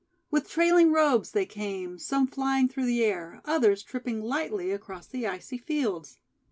With trailing robes they came, some flying through the air, others tripping lightly across the icy fields.